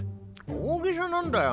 大ゲサなんだよ